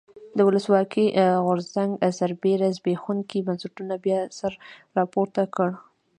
د ولسواکۍ غورځنګ سربېره زبېښونکي بنسټونه بیا سر راپورته کړي.